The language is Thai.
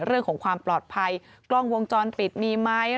เรื่องของความปลอดภัยกล้องวงจรปิดมีไหม